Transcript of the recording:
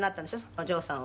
お嬢さんを」